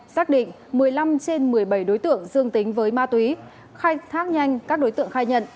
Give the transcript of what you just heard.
xác định một mươi năm trên một mươi bảy đối tượng dương tính với ma túy khai thác nhanh các đối tượng khai nhận